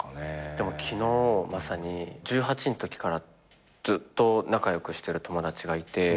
でも昨日まさに１８のときからずっと仲良くしてる友達がいて。